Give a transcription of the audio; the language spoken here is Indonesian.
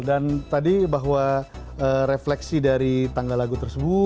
dan tadi bahwa refleksi dari tanggal lagu terakhir ya